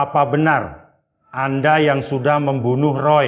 apa benar anda yang sudah membunuh roy